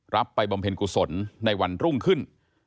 ไปบำเพ็ญกุศลในวันรุ่งขึ้น